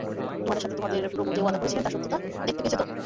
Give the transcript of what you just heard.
তোমাদের সাথে তোমাদের প্রভু যে ওয়াদা করেছিলেন তার সত্যতা দেখতে পেয়েছে তো?